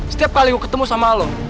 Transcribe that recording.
setiap kali gua ketemu sama lo